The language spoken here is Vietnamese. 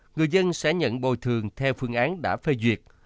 người dân sẽ nhận bồi thường theo phương án đã phê duyệt